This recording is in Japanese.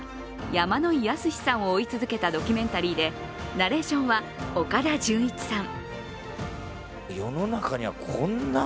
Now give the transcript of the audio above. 山野井泰史さんを追い続けたドキュメンタリーでナレーションは岡田准一さん。